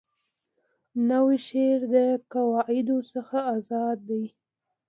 نوی شعر د قواعدو څخه آزاده دی.